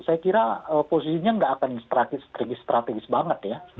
saya kira posisinya nggak akan strategis banget ya